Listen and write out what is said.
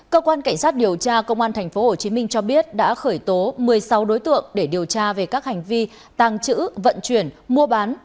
cơ quan cảnh sát điều tra công an tp hcm cho biết đã khởi tố một mươi sáu đối tượng để điều tra về các hành vi tàng trữ vận chuyển mua bán